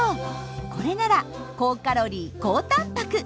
これなら高カロリー高たんぱく。